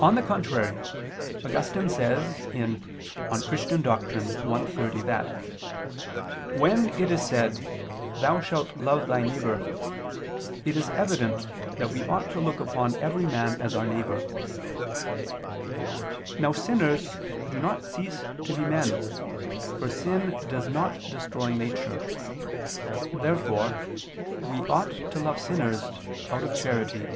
On the contrary, Augustine says (De Doctr. Christ. i, 30) that "when it is said: 'Thou shalt love thy neighbor,' it is evident that we ought to look upon every man as our neighbor." Now sinners do not cease to be men, for sin does not destroy nature. Therefore we ought to love sinners out of charity.